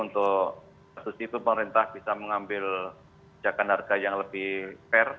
untuk atur situ pemerintah bisa mengambil pijakan harga yang lebih fair